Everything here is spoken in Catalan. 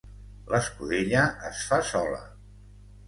L'escudella es fa sola.